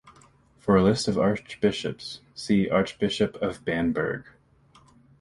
For a list of archbishops, see Archbishop of Bamberg.